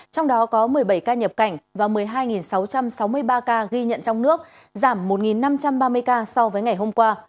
trong đó có một mươi bảy ca nhập cảnh và một mươi hai sáu trăm sáu mươi ba ca ghi nhận trong nước giảm một năm trăm ba mươi ca so với ngày hôm qua